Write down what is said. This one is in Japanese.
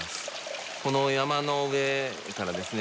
この山の上からですね